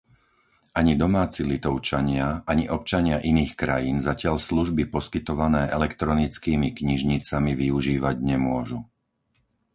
Ani domáci Litovčania, ani občania iných krajín zatiaľ služby poskytované elektronickými knižnicami využívať nemôžu.